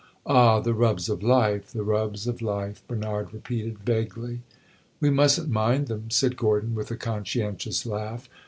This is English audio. "Ah, the rubs of life the rubs of life!" Bernard repeated vaguely. "We must n't mind them," said Gordon, with a conscientious laugh.